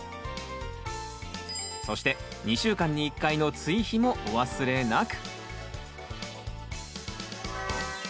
そして２週間に１回の追肥もお忘れなく！